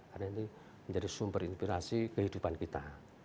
karena ini menjadi sumber inspirasi kehidupan kita